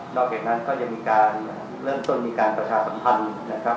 จากนั้นก็จะมีการเริ่มต้นมีการประชาสัมพันธ์นะครับ